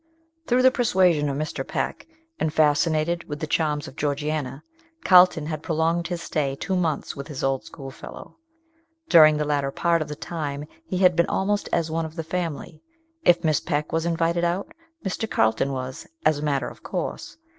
THROUGH the persuasion of Mr. Peck, and fascinated with the charms of Georgiana, Carlton had prolonged his stay two months with his old school fellow. During the latter part of the time he had been almost as one of the family. If Miss Peck was invited out, Mr. Carlton was, as a matter of course.